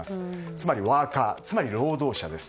つまりワーカーつまり労働者です。